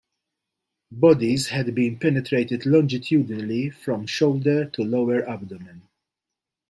Bodies had been penetrated longitudinally from shoulder to lower abdomen.